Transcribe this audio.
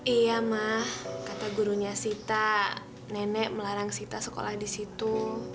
iya ma kata gurunya sita nenek melarang sita sekolah disitu